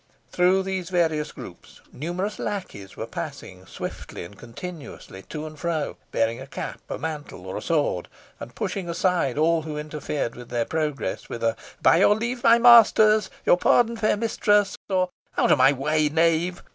Through these various groups numerous lackeys were passing swiftly and continuously to and fro, bearing a cap, a mantle, or a sword, and pushing aside all who interfered with their progress, with a "by your leave, my masters your pardon, fair mistress" or, "out of my way, knave!"